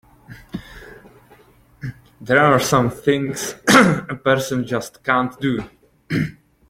There are some things a person just can't do!